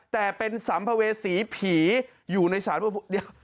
แต่เป็นสามภเวสีผีอยู่ในสารภูมิ